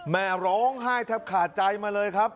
แม่ร้องไห้แทบขาดใจมาเลยครับ